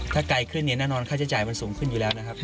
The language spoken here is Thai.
ถ้าไกลขึ้นเนี่ยแน่นอนค่าใช้จ่ายมันสูงขึ้นอยู่แล้วนะครับ